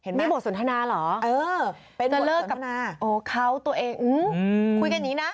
นี่บทสนทนาเหรอจะเลิกกับโอ้เขาตัวเองคุยกันอย่างนี้นะ